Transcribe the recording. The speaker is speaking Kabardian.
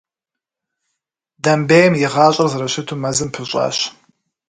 Домбейм и гъащӏэр зэрыщыту мэзым пыщӏащ.